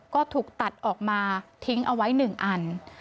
ก็ถูกตัดออกมาทิ้งเอาไว้๑อัน